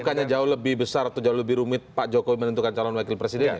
bukannya jauh lebih besar atau jauh lebih rumit pak jokowi menentukan calon wakil presidennya